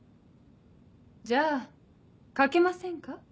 じゃあ賭けませんか？